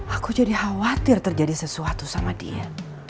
aku jadi khawatir terjadi sesuatu sama dia